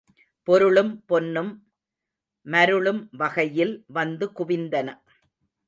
பொருளும் பொன்னும் மருளும் வகையில் வந்து குவிந்தன.